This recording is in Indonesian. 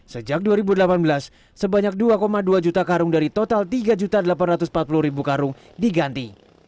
sejak dua ribu delapan belas sebanyak dua dua juta karung dari total tiga delapan ratus empat puluh karung diganti